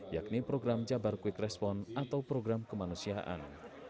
yakni program jabar quick respon atau program kemanusiaan